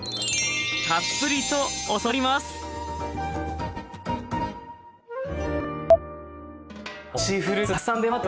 たっぷりと教わります！